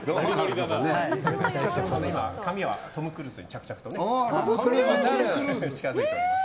髪はトム・クルーズに着々と近づいております。